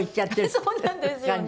そうなんですよね。